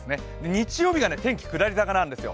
日曜日が天気下り坂なんですよ。